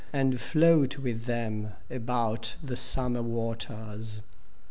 And float with them about the summer waters.